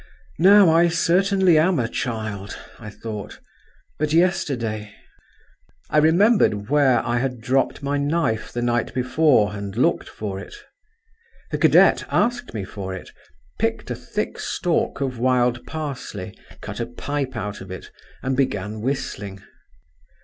"Now I certainly am a child," I thought; "but yesterday…." I remembered where I had dropped my knife the night before, and looked for it. The cadet asked me for it, picked a thick stalk of wild parsley, cut a pipe out of it, and began whistling.